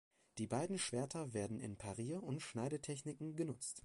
Die beiden Schwerter werden in Parier- und Schneide-Techniken genutzt.